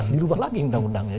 dirubah lagi undang undangnya